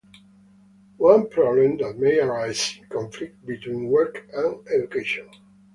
One problem that may arise is a conflict between work and education.